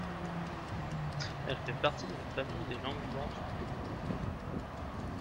Elle fait partie de la famille des langues Bantoues.